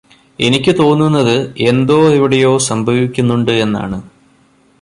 എനിക്ക് തോന്നുന്നത് എന്തോ എവിടെയോ സംഭവിക്കുന്നുണ്ട് എന്നാണ്